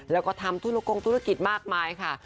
แล้วก็ทำธุรกงธุรกิจมากมายค่ะ